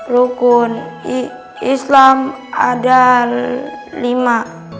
rukun islam ada lima